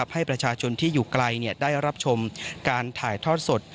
ให้ประชาชนที่อยู่ไกลได้รับชมการถ่ายทอดสด